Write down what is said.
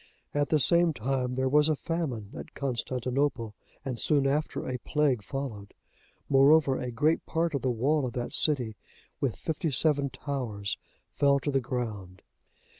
At the same time there was a famine at Constantinople, and soon after a plague followed; moreover, a great part of the wall of that city, with fifty seven towers, fell to the ground.